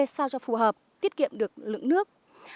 cà phê sao cho phù hợp tiết kiệm được lượng nước